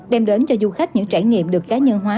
đem đến cho du khách những trải nghiệm được cá nhân hóa